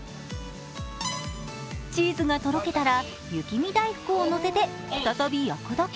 チーズがとろけたら雪見だいふくを乗せて再び焼くだけ。